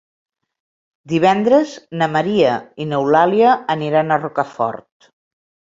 Divendres na Maria i n'Eulàlia aniran a Rocafort.